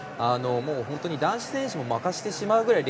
本当に男子選手も負かしてしまうぐらい